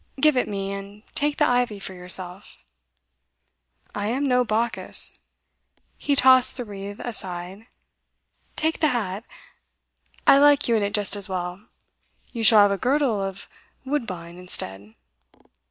Give it me, and take the ivy for yourself.' 'I am no Bacchus.' He tossed the wreath aside. 'Take the hat; I like you in it just as well. You shall have a girdle of woodbine, instead.